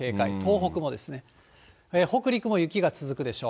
北陸も雪が続くでしょう。